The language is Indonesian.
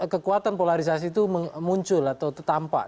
kekuatan polarisasi itu muncul atau tertampak